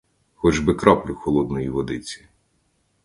Хоч би краплю холодної водиці!